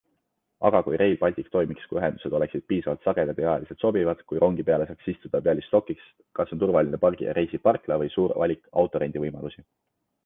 Aga kui Rail Baltic toimiks, kui ühendused oleksid piisavalt sagedad ja ajaliselt sobivad, kui rongi peale saaks istuda Byalistokis, kus on turvaline pargi-ja-reisi-parkla või suur valik autorendivõimalusi?